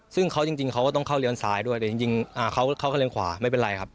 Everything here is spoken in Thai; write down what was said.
ซึ่งเขาจริงเขาก็ต้องเข้าเลนซ้ายด้วยแต่จริงเขาเข้าเลนขวาไม่เป็นไรครับ